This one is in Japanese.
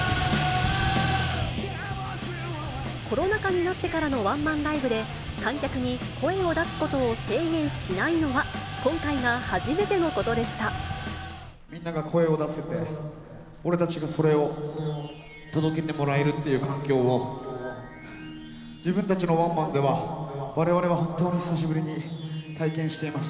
コロナ禍になってからのワンマンライブで、観客に、声を出すことを制限しないのは、今回が初みんなが声を出せて、俺たちがそれを届けてもらえるっていう環境を、自分たちのワンマンでは、われわれは本当に久しぶりに体験しています。